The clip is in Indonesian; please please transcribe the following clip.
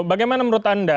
bagaimana menurut anda